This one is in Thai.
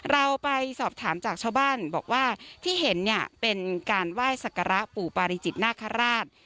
เราไปสอบถามจากชาวบ้านบอกว่าที่เห็นเนี่ยเป็นการไหว้สักการะปู่ปาริจิตนาคาราช